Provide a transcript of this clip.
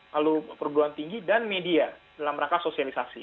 lalu perguruan tinggi dan media dalam rangka sosialisasi